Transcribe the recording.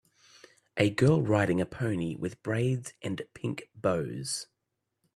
A girl riding a pony with braids and pink bows